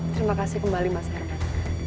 terima kasih kembali mas herman